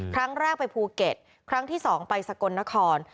ครั้งแรกไปภูเก็ตครั้งที่๒ไปสกลนคร